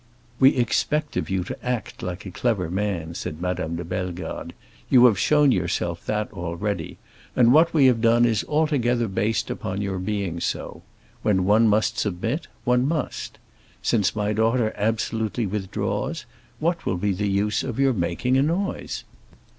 "We expect of you to act like a clever man," said Madame de Bellegarde. "You have shown yourself that already, and what we have done is altogether based upon your being so. When one must submit, one must. Since my daughter absolutely withdraws, what will be the use of your making a noise?"